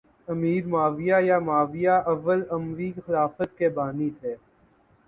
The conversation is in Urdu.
امیر معاویہ یا معاویہ اول اموی خلافت کے بانی تھے